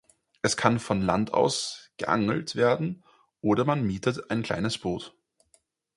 Es kann von Land aus geangelt werden oder man mietet ein kleines Boot.